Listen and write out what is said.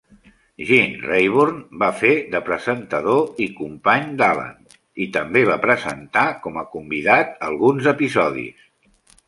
Gen Rayburn va fer de presentador i company d'Allen i també va presentar com a convidat alguns episodis.